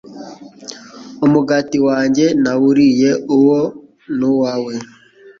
Umugati wanjye nawuriye uwo ni uwawe